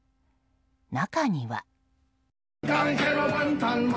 中には。